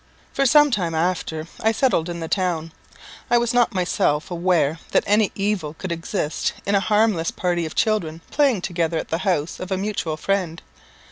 For some time after I settled in the town, I was not myself aware that any evil could exist in a harmless party of children playing together at the house of a mutual friend.